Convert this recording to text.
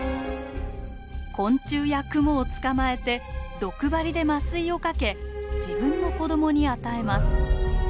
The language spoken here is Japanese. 昆虫やクモを捕まえて毒針で麻酔をかけ自分の子供に与えます。